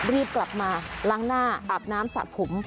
รีบกลับมาล้างหน้าอาบน้ำสระผม